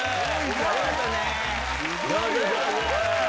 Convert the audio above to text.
ありがとね！